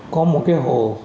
có một cái hồ